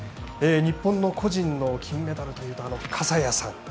日本の個人の金メダルというと笠谷さん